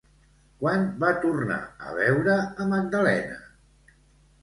Quan va tornar a veure a Magdalena?